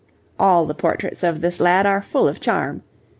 All the portraits of this lad are full of charm.